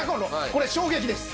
これ衝撃です。